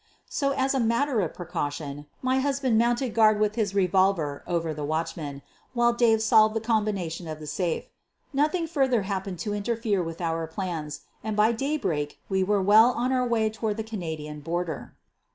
So, as a matter of precaution, my husband mounted guard with his revolver over the watch man, while Dave solved the combination of the safe. Nothing further happened to interfere with our plans and by daybreak we were well on our way to ward the Canadian border.